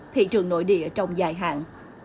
thị trường nội địa trong dài hạn